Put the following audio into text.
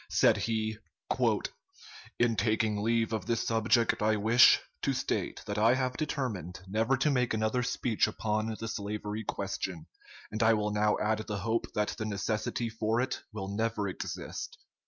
Said he: "In taking leave of this subject I wish, to state that I have determined never to make another speech upon the slavery question; and I will now add the hope that the necessity for it will never exist....